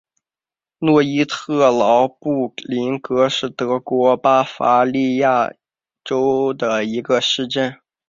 诺伊特劳布林格是德国巴伐利亚州的一个市镇。